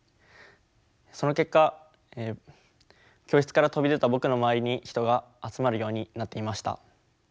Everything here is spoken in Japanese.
その結果教室から飛び出た僕の周りに人が集まるようになっていました。